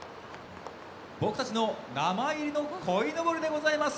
僕たちの名前入りの鯉のぼりでございます。